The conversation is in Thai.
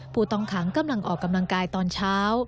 ผู้ต้องขังกำลังออกกำลังกายตอนเช้า